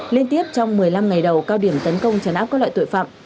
liên tiếp trong một mươi năm ngày đầu cao điểm tấn công trấn áp các loại tội phạm